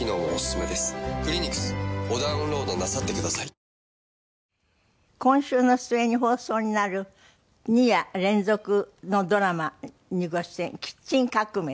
東京海上日動今週の末に放送になる２夜連続のドラマにご出演『キッチン革命』。